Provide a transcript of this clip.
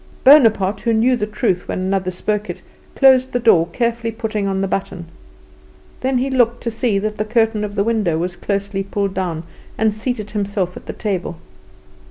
Bonaparte, who knew the truth when another spoke it, closed the door, carefully putting on the button. Then he looked to see that the curtain of the window was closely pulled down, and seated himself at the table.